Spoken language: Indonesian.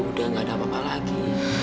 udah gak ada apa apa lagi